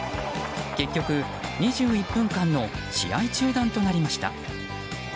結局、２１分間の試合中断となりました。